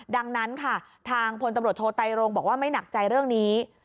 ดังนั้นค่ะทางพลตำรวจโทไตรโรงบอกว่าไม่หนักใจเรื่องนี้